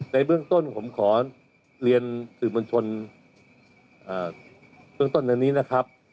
ในเบื้องต้นผมขอเรียนสื่อมวลชนเบื้องต้นอันนี้นะครับ